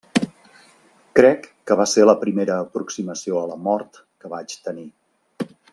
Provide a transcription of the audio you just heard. Crec que va ser la primera aproximació a la mort que vaig tenir.